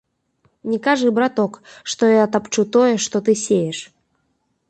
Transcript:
Не кажы, браток, што я тапчу тое, што ты сееш.